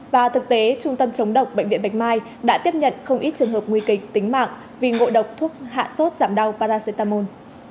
và thực tế trung tâm chống độc bệnh viện bạch mai đã tiếp nhận không ít trường hợp nguy kịch tính mạng vì ngộ độc hạ sốt giảm đau paracetamol